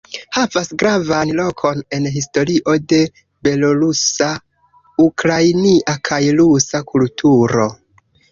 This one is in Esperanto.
Havas gravan lokon en historio de belorusa, ukrainia kaj rusa kulturo.